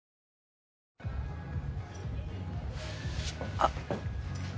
あっ。